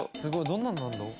どんなんなんだろ？